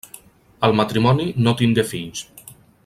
El matrimoni no tingué fills.